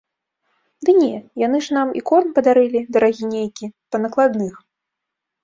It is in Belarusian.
Ды не, яны ж нам і корм падарылі, дарагі нейкі, па накладных.